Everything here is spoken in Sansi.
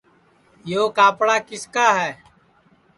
یو کاپڑا کِس کا ہے